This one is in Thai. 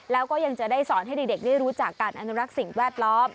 แล้วก็ยังจะได้สอนให้เด็กได้รู้จักการอนุรักษ์สิ่งแวดล้อม